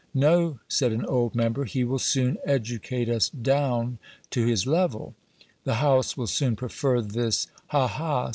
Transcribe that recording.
"No," said an old member, "he will soon educate us DOWN to his level; the House will soon prefer this Ha! Ha!